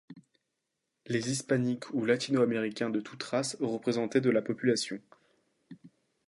Les Hispaniques ou Latino-américains de toutes races représentaient de la population.